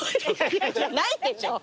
ないでしょう。